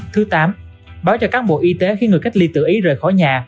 thứ tám báo cho cán bộ y tế khi người cách ly tự ý rời khỏi nhà